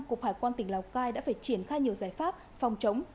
cục hải quan tỉnh lào cai đã phải triển khai nhiều giải pháp phòng chống